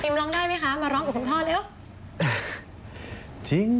ร้องได้ไหมคะมาร้องกับคุณพ่อเร็ว